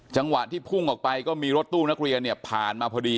จังหวะที่พุ่งออกไปก็มีรถตู้นักเรียนเนี่ยผ่านมาพอดี